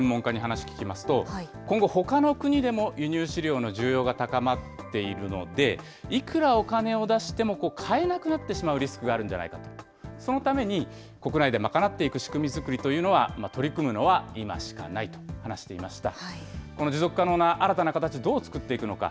こうした動きについて、農業経済学の専門家の話聞きますと、今後、ほかの国でも輸入飼料の需要が高まっているので、いくらお金を出しても買えなくなってしまうリスクがあるんじゃないかと、そのために、国内で賄っていく仕組み作りというのは、取り組むのは今しかないと話していました。